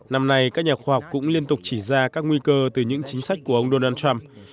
năm nay các nhà khoa học cũng liên tục chỉ ra các nguy cơ từ những chính sách của ông donald trump